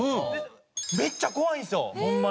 めっちゃ怖いんですよホンマに。